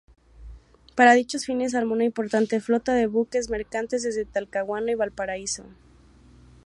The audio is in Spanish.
Para dichos fines armó una importante flota de buques mercantes desde Talcahuano y Valparaíso.